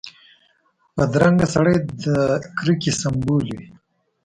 بدرنګه سړی د کرکې سمبول وي